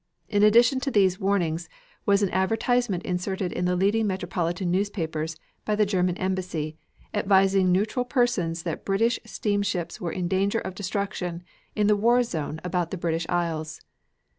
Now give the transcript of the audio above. In addition to these warnings was an advertisement inserted in the leading metropolitan newspapers by the German embassy, advising neutral persons that British steamships were in danger of destruction in the war zone about the British Isles.